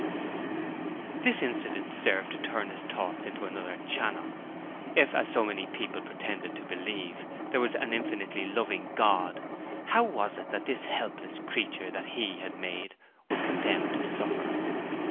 This incident served to turn his thoughts into another channel. If, as so many people pretended to believe, there was an infinitely loving God, how was it that this helpless creature that He had made was condemned to suffer?